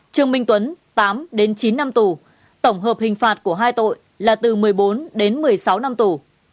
trương minh tuấn tám đến chín năm tù tổng hợp hình phạt của hai tội là từ một mươi bốn đến một mươi sáu năm tù